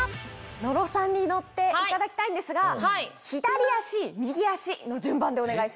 野呂さんに乗っていただきたいんですが左足右足の順番でお願いします。